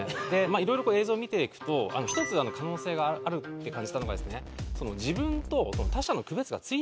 いろいろ映像を見ていくと１つ可能性があるって感じたのがですね。